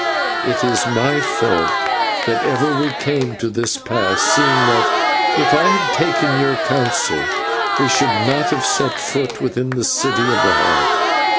It is my fault that ever we came to this pass, seeing that, if I had taken your counsel, we should not have set foot within the City of the Heart.